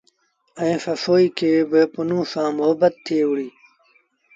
ائيٚݩ سسئيٚ کي با پنهون سآݩ مهبت ٿئي وُهڙي۔